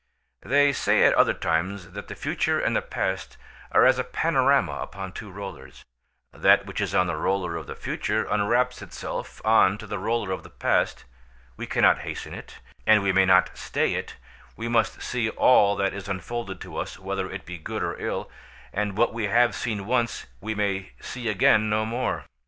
They say at other times that the future and the past are as a panorama upon two rollers; that which is on the roller of the future unwraps itself on to the roller of the past; we cannot hasten it, and we may not stay it; we must see all that is unfolded to us whether it be good or ill; and what we have seen once we may see again no more.